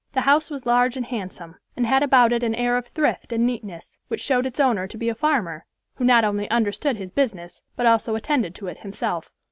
The house was large and handsome, and had about it an air of thrift and neatness, which showed its owner to be a farmer, who not only understood his business, but also attended to it himself.